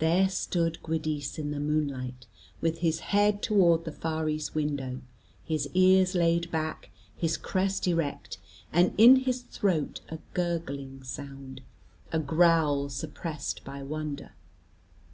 There stood Giudice in the moonlight, with his head towards the far east window, his ears laid back, his crest erect, and in his throat a gurgling sound, a growl suppressed by wonder.